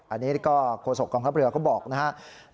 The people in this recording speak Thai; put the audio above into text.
อันนี้ก็โฆษกองทัพเรือเขาบอกนะครับ